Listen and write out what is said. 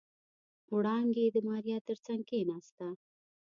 وړانګې د ماريا تر څنګ کېناسته.